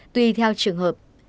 tùy theo trường hợp